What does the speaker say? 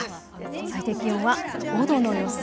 最低気温は５度の予想。